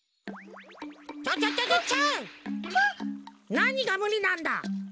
なにがむりなんだ？